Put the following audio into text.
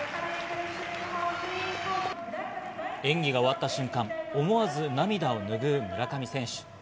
演技が終わった瞬間、思わず涙をぬぐう村上選手。